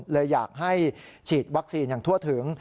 เลยอยากให้ฉีดวัคซีนอย่างทั่วถึง